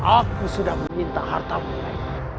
aku sudah meminta hartamu baik